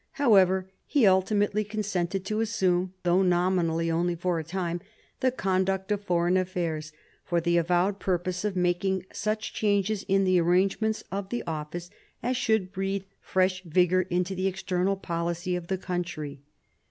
However, he ultimately consented to assume, though nominally only for a time, the conduct of foreign affairs, for the avowed purpose of making such changes in the arrangements of the office as should breathe fresh vigour into the external policy of the country.